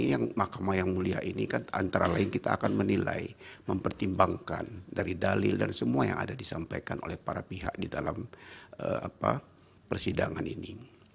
yang mahkamah yang mulia ini kan antara lain kita akan menilai mempertimbangkan dari dalil dan semua yang ada disampaikan oleh para pihak di dalam persidangan ini